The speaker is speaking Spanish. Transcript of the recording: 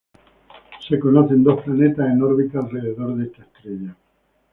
Se conocen dos planetas en órbita alrededor de esta estrella.